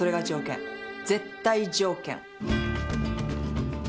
絶対条件。